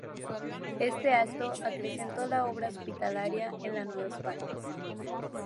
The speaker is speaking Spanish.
Este acto acrecentó la obra hospitalaria en la Nueva España.